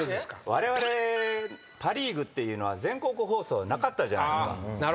われわれパ・リーグっていうのは全国放送はなかったじゃないですか。